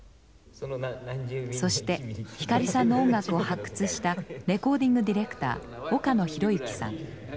そして光さんの音楽を発掘したレコーディング・ディレクター岡野博行さん。